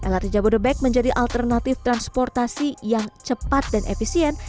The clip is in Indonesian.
lrt jabodebek menjadi alternatif transportasi yang cepat dan efisien